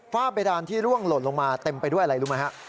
เบดานที่ร่วงหล่นลงมาเต็มไปด้วยอะไรรู้ไหมฮะ